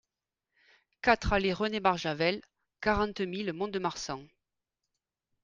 quatre allée René Barjavel, quarante mille Mont-de-Marsan